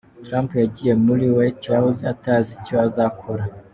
Trump yagiye muri White House atazi icyo azakora.